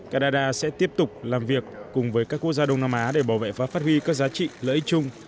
canada sẽ tiếp tục làm việc cùng với các quốc gia đông nam á để bảo vệ và phát huy các giá trị lợi ích chung